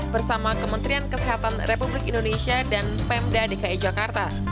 bersama kementerian kesehatan republik indonesia dan pemda dki jakarta